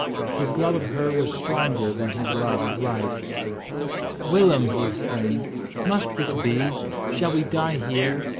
His love of her was stronger than his love of life. "Willem," he exclaimed, "must this be? Shall we die here?